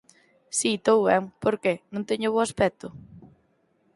Si, estou ben! Por que, non teño bo aspecto?